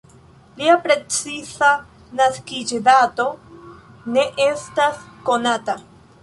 Lia preciza naskiĝdato ne estas konata.